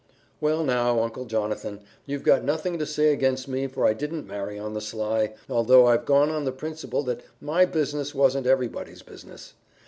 "Well, now, Uncle Jonathan, you've got nothing to say against me for I didn't marry on the sly, although I've gone on the principle that my business wasn't everybody's business.